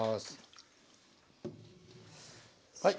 はい。